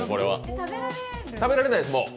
食べられないです。